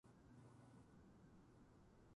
君はトイレに行きたいのかい？